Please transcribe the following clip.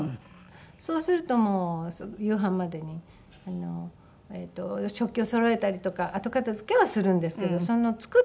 そうするともう夕飯までに食器をそろえたりとか後片付けはするんですけど作ってるところがわからない。